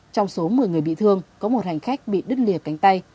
trong số một mươi người bị thương có một hành khách bị đứt lìa cánh tay